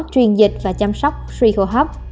truyền dịch và chăm sóc suy hô hấp